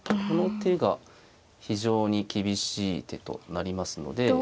この手が非常に厳しい手となりますので。